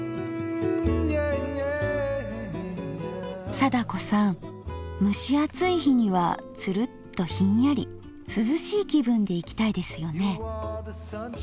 貞子さん蒸し暑い日にはツルッとひんやり涼しい気分でいきたいですよね。